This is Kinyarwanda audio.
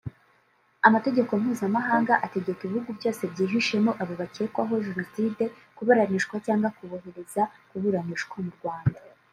Amategeko mpuzamahanga ategeka ibihugu byose byihishemo abo bakekwaho jenoside kubaburanisha cyangwa kubohereza kuburanishirizwa mu Rwanda